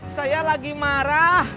saya lagi marah